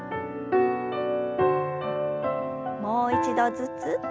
もう一度ずつ。